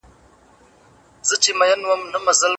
رښتیني مشران د ولس په زړونو کي وي.